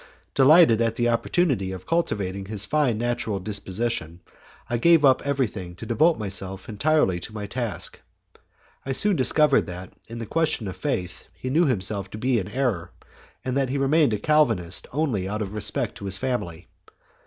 Delighted at the opportunity of cultivating his fine natural disposition, I gave up everything to devote myself entirely to my task. I soon discovered that, in the question of faith, he knew himself to be in error, and that he remained a Calvinist only out of respect to his family.